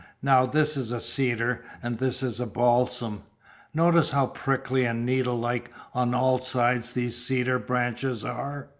"Now, this is a cedar, and this is a balsam. Notice how prickly and needlelike on all sides these cedar branches are.